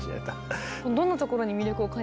どんなところに魅力を感じたんですか？